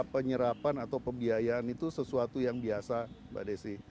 penyerapan atau pembiayaan itu sesuatu yang biasa mbak desi